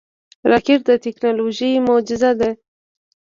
راکټ د ټکنالوژۍ معجزه ده